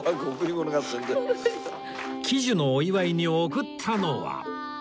喜寿のお祝いに贈ったのは